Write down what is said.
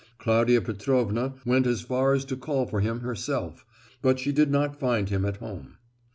Claudia Petrovna went as far as to call for him herself, but she did not find him at home.